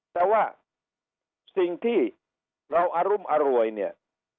แต่ว่าสิ่งที่เราอรุมอร่วยเนี่ย